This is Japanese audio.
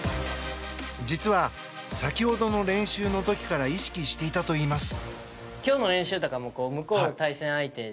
実は、先ほどの練習の時から意識していたといいます。